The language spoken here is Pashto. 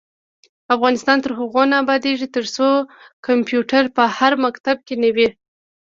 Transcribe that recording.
افغانستان تر هغو نه ابادیږي، ترڅو کمپیوټر په هر مکتب کې نه وي.